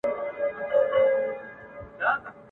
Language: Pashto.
په سرو وينو سره لاسونه !.